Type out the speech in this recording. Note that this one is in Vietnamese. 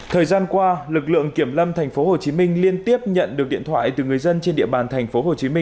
thời gian qua lực lượng kiểm lâm tp hcm liên tiếp nhận được điện thoại từ người dân trên địa bàn tp hcm